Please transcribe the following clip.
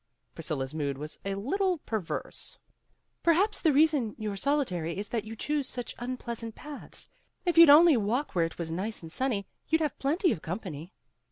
Priscilla 's mood was a little perverse. '* Perhaps the reason you 're solitary is that you choose such unpleasant paths. If you'd only walk where it was nice and sunny, you'd have plenty of company.